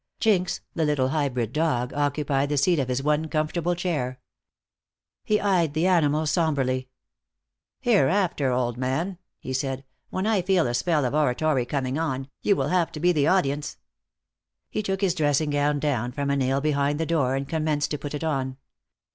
Jinx, the little hybrid dog, occupied the seat of his one comfortable chair. He eyed the animal somberly. "Hereafter, old man," he said, "when I feel a spell of oratory coming on, you will have to be the audience." He took his dressing gown from a nail behind the door, and commenced to put it on.